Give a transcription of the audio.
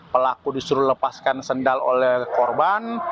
pelaku disuruh lepaskan sendal oleh korban